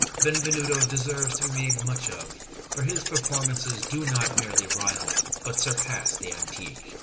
Benvenuto deserves to be made much of, for his performances do not merely rival, but surpass the antique."